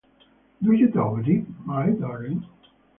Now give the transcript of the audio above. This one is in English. Do you doubt it, my darling?